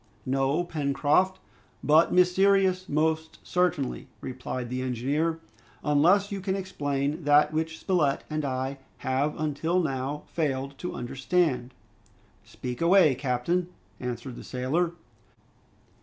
"No, Pencroft, but mysterious, most certainly," replied the engineer; "unless you can explain that which Spilett and I have until now failed to understand." "Speak away, captain," answered the sailor.